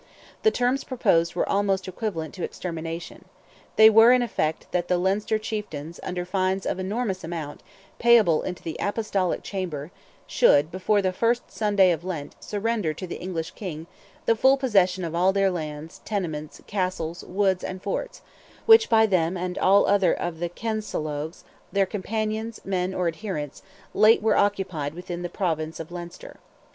The terms proposed were almost equivalent to extermination. They were, in effect, that the Leinster chieftains, under fines of enormous amount, payable into the Apostolic chamber, should, before the first Sunday of Lent, surrender to the English King "the full possession of all their lands, tenements, castles, woods, and forts, which by them and all other of the Kenseologhes, their companions, men, or adherents, late were occupied within the province of Leinster."